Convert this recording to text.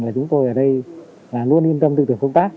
là chúng tôi ở đây là luôn yên tâm tư tưởng công tác